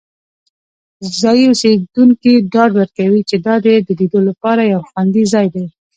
ځایی اوسیدونکي ډاډ ورکوي چې دا د لیدو لپاره یو خوندي ځای دی.